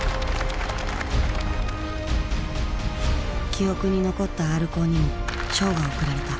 記憶に残ったＲコーにも賞が贈られた。